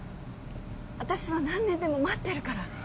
私は何年でも待ってるから